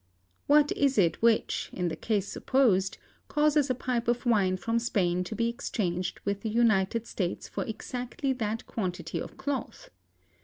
What is it which, in the case supposed, causes a pipe of wine from Spain to be exchanged with the United States for exactly that quantity of cloth?